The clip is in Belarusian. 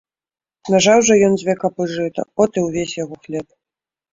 Нажаў жа ён дзве капы жыта, от і ўвесь яго хлеб.